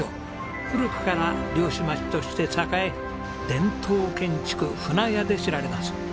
古くから漁師町として栄え伝統建築舟屋で知られます。